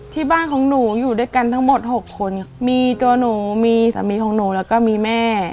ที่บ้านของหนูอยู่ด้วยกันทั้งหมดหกคนค่ะมีตัวหนูมีสามีของหนูแล้วก็มีแม่